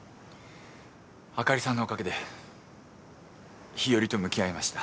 朱莉さんのおかげで日和と向き合えました。